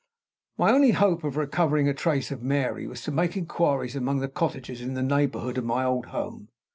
My only hope of recovering a trace of Mary was to make inquiries among the cottagers in the neighborhood of my old home.